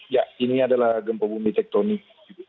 ya ini adalah gempa bumi tektonik